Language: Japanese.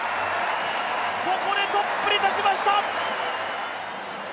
ここでトップに立ちました！